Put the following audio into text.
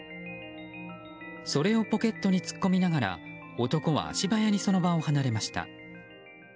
それをポケットに突っ込みながら男は足早にその場を離れました。